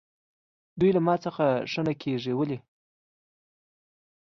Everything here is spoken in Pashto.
دوی له ما څخه ښه نه کېږي، ولې؟